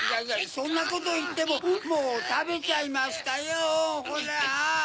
そんなこといってももうたべちゃいましたよホラ！